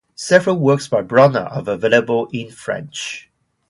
Several works by Brunner are available in French.